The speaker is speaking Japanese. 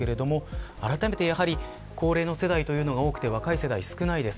あらためて高齢の世代が多くて若い世代が少ないです。